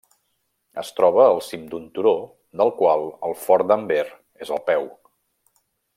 Es troba al cim d'un turó del qual el fort d'Amber és al peu.